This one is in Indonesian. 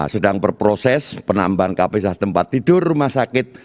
sedang berproses penambahan kapasitas tempat tidur rumah sakit